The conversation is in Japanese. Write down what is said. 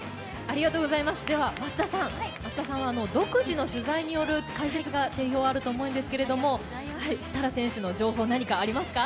増田さんは独自の取材による解説に定評があると思いますが、設楽選手の情報、何かありますか？